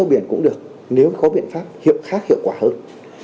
treo biển cũng được nếu có biện pháp khác hiệu quả hơn